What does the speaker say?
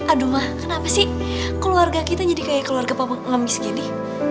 aduh ma kenapa sih keluarga kita jadi kayak keluarga panggung lemis gini